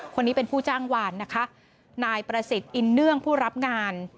คนนี้เป็นผู้จ้างวานนะคะนายประสิทธิ์อินเนื่องผู้รับงาน